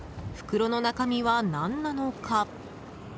袋の中身は何なのか。